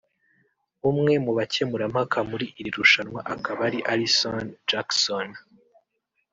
umwe mu bakemurampaka muri iri rushanwa akaba ari Alison Jackson